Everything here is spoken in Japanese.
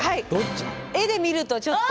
絵で見るとちょっと。